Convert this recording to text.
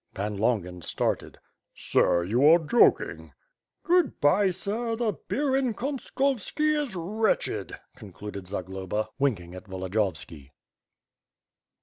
Pan Longin started. "Sir, you are joking?" "Good bye sir! the beer in Konskovoli is wretched/' con cluded Zagloba, winking at Volodiyovski.